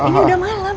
ini udah malam